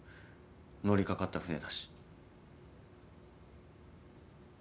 乗りかかった船だし。